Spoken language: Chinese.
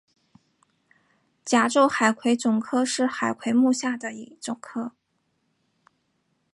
甲胄海葵总科是海葵目下的一总科。